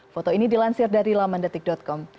foto ini dilansir dari lamandetik com